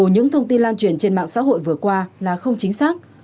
những thông tin lan truyền trên mạng xã hội vừa qua là không chính xác